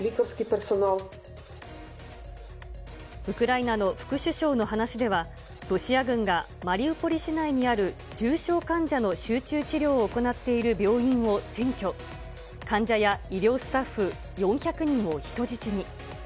ウクライナの副首相の話では、ロシア軍がマリウポリ市内にある重症患者の集中治療を行っている病院を占拠、患者や医療スタッフ４００人を人質に。